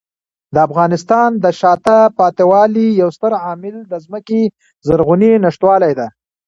د افغانستان د شاته پاتې والي یو ستر عامل د ځمکې زرغونې نشتوالی دی.